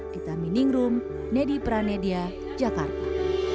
kita mining room nedi pranedia jakarta